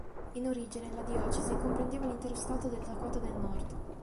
In origine la diocesi comprendeva l'intero Stato del Dakota del Nord.